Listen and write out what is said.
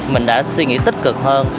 mình đã suy nghĩ tích cực hơn